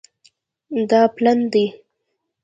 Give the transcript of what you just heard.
دا پلن دی